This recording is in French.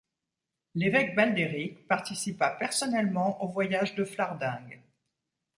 L’évêque Baldéric participa personnellement au voyage de Flardingue.